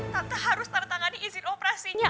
tante harus tanda tangani izin operasinya